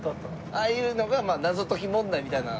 ああいうのがまあ謎解き問題みたいな。